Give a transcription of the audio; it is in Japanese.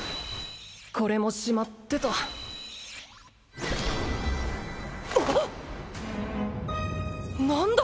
これもしまってと何だ！？